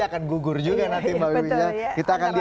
akan gugur juga nanti mbak wiwi